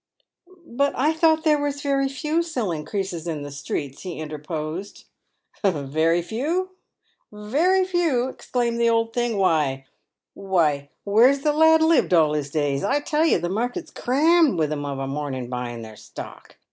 "But I thought there was very few selling creases in the streets r" he interposed. " Yery few !" exclaimed the old thing —" very few ! Why, where's 74s PAVED WITH GOLD. the lad lived all his days ? I tell you, the market's crammed with 'em of a morning buying their stock.